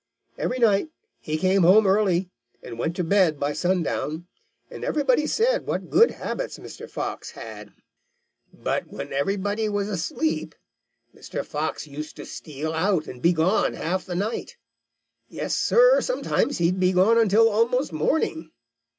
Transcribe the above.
Every night he came home early and went to bed by sundown, and everybody said what good habits Mr. Fox had. "But when everybody else was asleep, Mr. Fox used to steal out and be gone half the night. Yes, Sir, sometimes he'd be gone until almost morning.